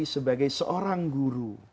sebagai seorang guru